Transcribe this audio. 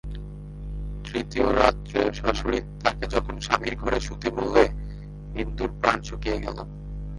তৃতীয় রাত্রে শাশুড়ি তাকে যখন স্বামীর ঘরে শুতে বললে, বিন্দুর প্রাণ শুকিয়ে গেল।